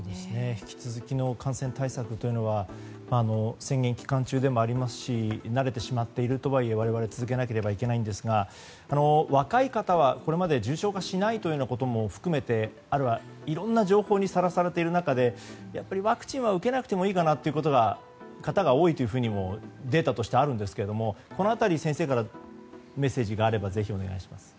引き続きの感染対策は宣言期間中でもありますし慣れてしまっているとはいえ我々、続けなければいけないんですが若い方は、これまで重症化しないということも含めていろいろな情報にさらされている中でやっぱりワクチンは受けなくてもいいかなという方が多いというふうにもデータとしてあるんですがこのあたり、先生からメッセージがあればお願いします。